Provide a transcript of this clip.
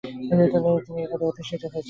তিনি এই পদে অধিষ্ঠিত হয়েছিলেন।